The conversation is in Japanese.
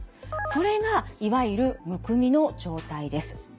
それがいわゆるむくみの状態です。